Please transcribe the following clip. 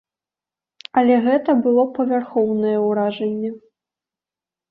Але гэта было б павярхоўнае ўражанне.